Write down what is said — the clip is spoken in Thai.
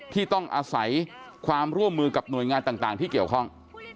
ที่ต้องอาศัยความร่วมมือกับหน่วยงานต่างที่เกี่ยวข้อง